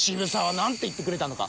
何て言ってくれたのか。